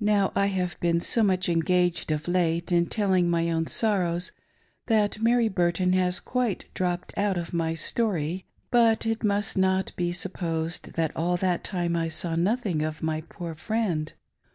Now, I have been so much engaged of late in telling my own sorrows, that Mary Burton has quite dropped out of my story. But it must not be supposed that all that time I saw nothing of my poor friend.